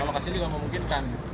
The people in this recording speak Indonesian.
lokasinya juga memungkinkan